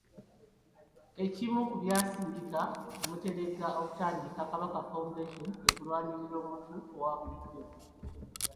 Ekimu ku byasindika Omuteregga okutandika Kabaka Foundation kwe kulwanirira omuntu owaabulijjo.